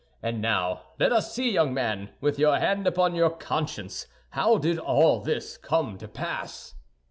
And now let us see, young man, with your hand upon your conscience, how did all this come to pass?"